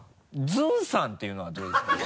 「ずんさん」っていうのはどうですかね？